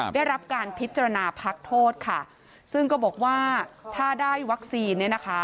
ได้รับการพิจารณาพักโทษซึ่งก็บอกว่าถ้าได้วัคซีน